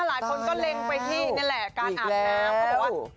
หลายคนก็เล็งไปที่นี่แหละการอาบน้ำ